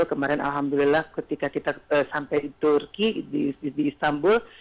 kemarin alhamdulillah ketika kita sampai di turki di istanbul